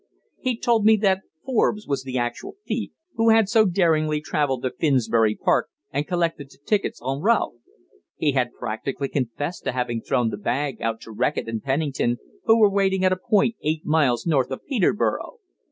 He told me that Forbes was the actual thief, who had so daringly travelled to Finsbury Park and collected the tickets en route. He had practically confessed to having thrown the bag out to Reckitt and Pennington, who were waiting at a point eight miles north of Peterborough.